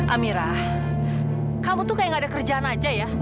amirah kamu tuh kayak gak ada kerjaan aja ya